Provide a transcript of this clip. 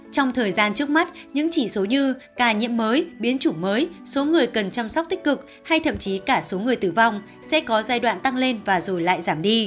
trong thời gian trước mắt những chỉ số như ca nhiễm mới biến chủng mới số người cần chăm sóc tích cực hay thậm chí cả số người tử vong sẽ có giai đoạn tăng lên và rồi lại giảm đi